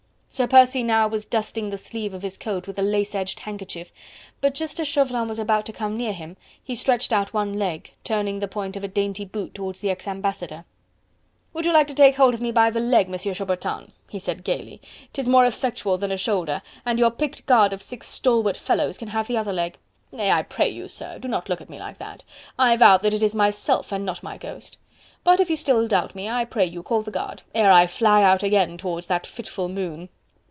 Sir Percy now was dusting the sleeve of his coat with a lace edged handkerchief, but just as Chauvelin was about to come near him, he stretched out one leg, turning the point of a dainty boot towards the ex ambassador. "Would you like to take hold of me by the leg, Monsieur Chaubertin?" he said gaily. "'Tis more effectual than a shoulder, and your picked guard of six stalwart fellows can have the other leg.... Nay! I pray you, sir, do not look at me like that.... I vow that it is myself and not my ghost.... But if you still doubt me, I pray you call the guard... ere I fly out again towards that fitful moon..."